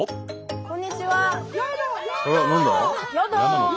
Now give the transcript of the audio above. こんにちは。